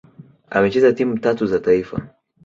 Amecheza timu tatu za taifa